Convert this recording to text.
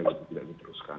itu tidak diteruskan